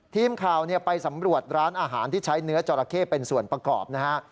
ทีมข่าวไปสำรวจร้านอาหารที่ใช้เนื้อจอราเข้เป็นส่วนประกอบนะฮะ